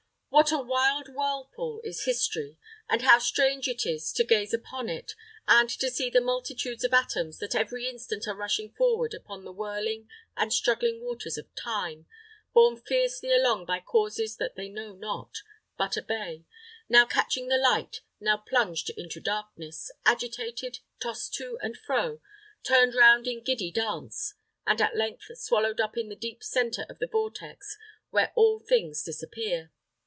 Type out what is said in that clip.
What a wild whirlpool is history, and how strange it is to gaze upon it, and to see the multitudes of atoms that every instant are rushing forward upon the whirling and struggling waters of Time, borne fiercely along by causes that they know not, but obey now catching the light, now plunged into darkness, agitated, tossed to and fro, turned round in giddy dance, and at length swallowed up in the deep centre of the vortex where all things disappear!